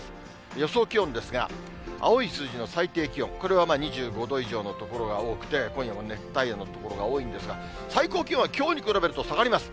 予想気温ですが、青い数字の最低気温、これは２５度以上の所が多くて、今夜も熱帯夜の所が多いんですが、最高気温はきょうに比べると下がります。